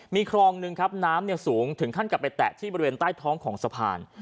มีคลองหนึ่งครับน้ำสูงถึงขั้นกลับไปแตะที่บริเวณใต้ท้องของสะพาน